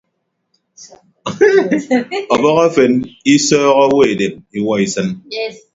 Ọbọhọ efen isọọkkọ owo edem iwuọ isịn.